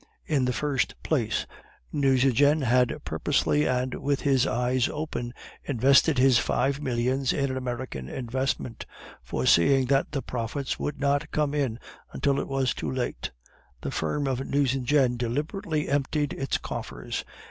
In the first place, Nucingen had purposely and with his eyes open invested his five millions in an American investment, foreseeing that the profits would not come in until it was too late. The firm of Nucingen deliberately emptied its coffers.